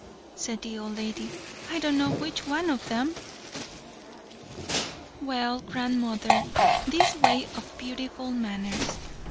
said the old lady. "I don' know which of 'em." "Well, grandmother, this way of beautiful manners.